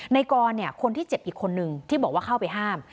ในกรคนที่เจ็บอีกคนนึงที่บอกว่าเข้าไปห้าม